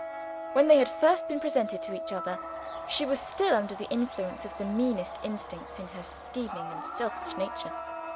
When they had first been presented to each other, she was still under the influence of the meanest instincts in her scheming and selfish nature.